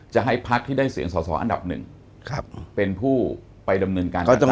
จะให้พักที่ได้เสียงสอสออันดับหนึ่งเป็นผู้ไปดำเนินการ